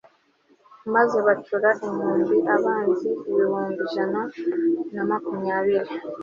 maze bacura inkumbi abanzi ibihumbi ijana na makumyabiri